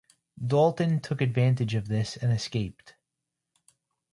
Dalton took advantage of this and escaped.